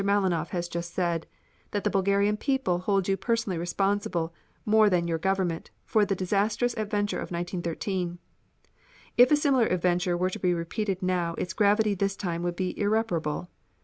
Malinoff has just said, that the Bulgarian people hold you personally responsible more than your Government, for the disastrous adventure of 1913. If a similar adventure were to be repeated now its gravity this time would be irreparable.